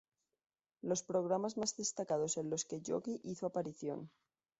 Los programas más destacados en los que Yogi hizo aparición.